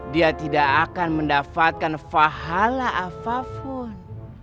dia tidak akan mendapatkan pahala apapun